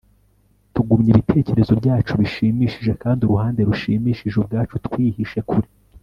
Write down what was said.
Tugumya ibitekerezo byacu bishimishije kandi uruhande rushimishije ubwacu twihishe kure